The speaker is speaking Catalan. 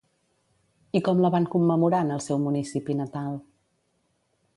I com la van commemorar en el seu municipi natal?